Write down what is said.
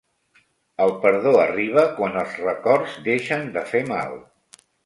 El perdó arriba quan els records deixen de fer mal.